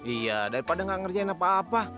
iya daripada nggak ngerjain apa apa